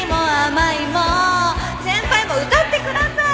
先輩も歌ってください！